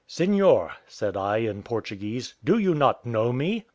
"Seignior," said I, in Portuguese, "do you not know me?"